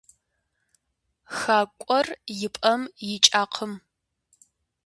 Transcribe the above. Хакӏуэр и пӀэм икӀакъым.